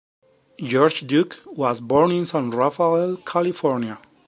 George Duke was born in San Rafael, California.